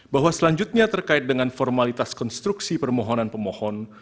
bahwa selanjutnya terkait dengan formalitas konstruksi permohonan pemohon